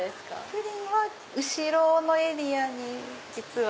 プリンは後ろのエリアに実は。